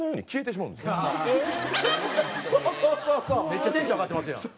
めっちゃテンション上がってますやん。